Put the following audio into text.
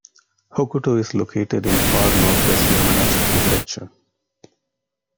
Hokuto is located in far northwest Yamanashi Prefecture.